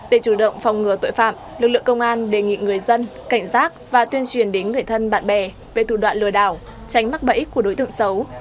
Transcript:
để chủ động phòng ngừa tội phạm lực lượng công an đề nghị người dân cảnh giác và tuyên truyền đến người thân bạn bè về thủ đoạn lừa đảo tránh mắc bẫy của đối tượng xấu